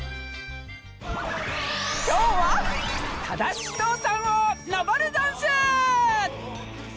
きょうはただしとうさんをのぼるざんす！